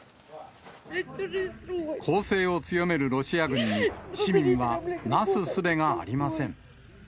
攻勢を強めるロシア軍に、市民はなすすべがありません。